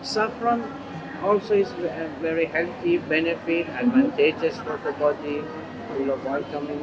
saffron juga sangat beruntung memiliki keuntungan memiliki keuntungan untuk tubuh penuh vitamin